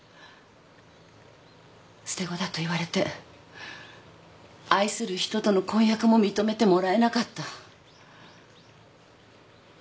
捨て子だと言われて愛する人との婚約も認めてもらえなかった。